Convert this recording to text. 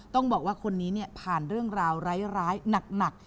ต้องบอกว่าคนนี้ผ่านเรื่องราวร้ายหนัก